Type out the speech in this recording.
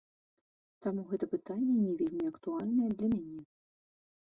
Таму гэта пытанне не вельмі актуальнае для мяне.